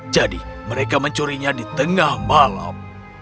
jadi mereka mencurinya di tengah malam